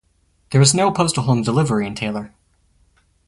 There is no postal home delivery in Taylor.